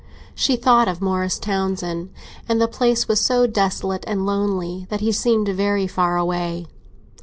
She thought of Morris Townsend, and the place was so desolate and lonely that he seemed very far away.